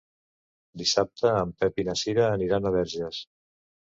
Dissabte en Pep i na Cira aniran a Verges.